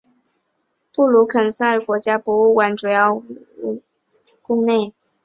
布鲁肯撒尔国家博物馆的主要部分设于布鲁肯撒尔宫内。